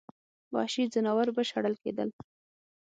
وحشي ځناور به شړل کېدل.